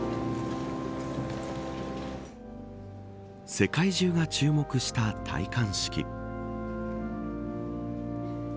世界中が注目した戴冠式。